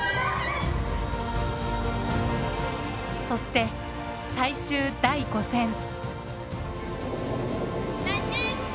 そして最終第５戦。